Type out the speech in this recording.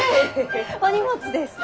お荷物ですか？